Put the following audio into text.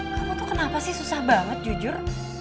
kamu tuh kenapa sih susah banget jujur